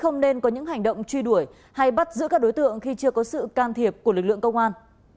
không nên có những hành động truy đuổi hay bắt giữ các đối tượng khi chưa có sự can thiệp của lực lượng công an